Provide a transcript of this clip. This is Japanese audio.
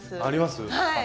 あります？